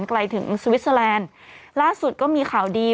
ไกลถึงสวิสเตอร์แลนด์ล่าสุดก็มีข่าวดี